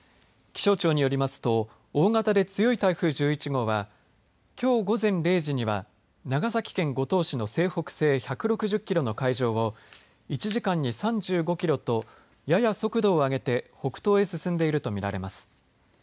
気象庁によりますと大型で強い台風１１号はきょう午前０時には長崎県五島市の西北西１６０キロの海上を１時間に３５キロとやや速度を上げて北東へ進んでいると見られます。